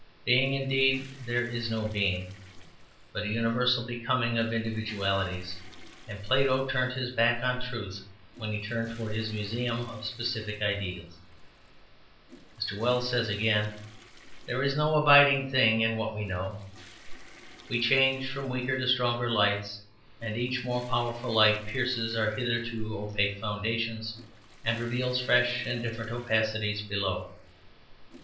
Being indeed! there is no being, but a universal becoming of individualities, and Plato turned his back on truth when he turned towards his museum of specific ideals." Mr. Wells says, again, "There is no abiding thing in what we know. We change from weaker to stronger lights, and each more powerful light pierces our hitherto opaque foundations and reveals fresh and different opacities below."